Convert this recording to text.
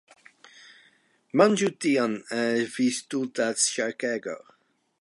Manĝu tian! Vi stulta ŝarkego!